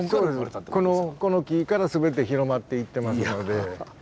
この木から全て広まっていってますのではい。